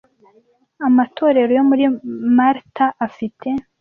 Amatorero yo muri Malta afite